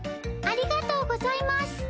ありがとうございます。